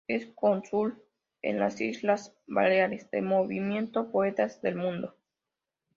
Es cónsul en las Islas Baleares del Movimiento Poetas del Mundo.